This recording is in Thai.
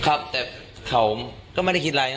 ครับแต่เขาก็ไม่ได้คิดอะไร